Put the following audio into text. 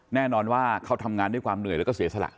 แน่นอนว่าเขาทำงานด้วยความเหนื่อยแล้วก็เสียสละ